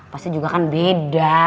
pasti juga kan beda